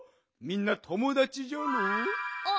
みんなともだちじゃろう？